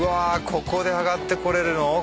ここで上がってこれるの？